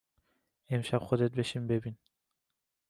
امشب خودت بشین ببین